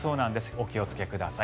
お気をつけください。